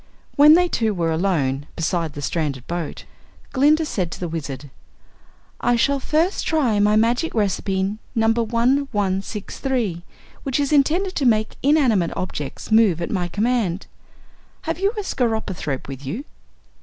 When they two were alone beside the stranded boat, Glinda said to the Wizard: "I shall first try my magic recipe No. 1163, which is intended to make inanimate objects move at my command. Have you a skeropythrope with you?"